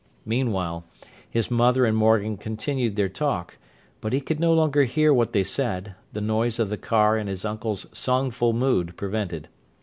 Meanwhile, his mother and Morgan continued their talk; but he could no longer hear what they said; the noise of the car and his uncle's songful mood prevented.